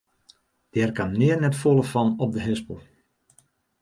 Dêr kaam nea net folle fan op de hispel.